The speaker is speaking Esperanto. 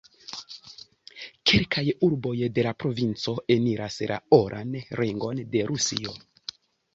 Kelkaj urboj de la provinco eniras la Oran Ringon de Rusio.